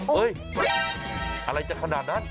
เฮ้ยอะไรจะขนาดนั้น